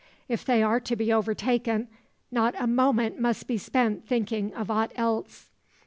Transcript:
If they are to be overtaken, nor a moment must be spent thinking of aught else.